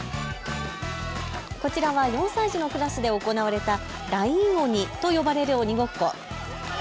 こちらは４歳児のクラスで行われたライン鬼と呼ばれる鬼ごっこ。